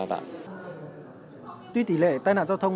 tuy tỷ lệ tai nạn giao thông